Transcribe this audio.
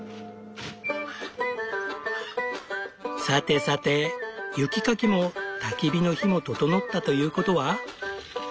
さてさて雪かきもたき火の火も調ったということは。